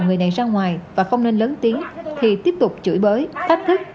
người này ra ngoài và không nên lớn tiếng thì tiếp tục chửi bới thách thức